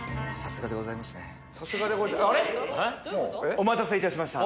お待たせいたしました